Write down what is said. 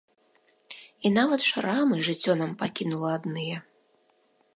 І нават шрамы жыццё нам пакінула адныя.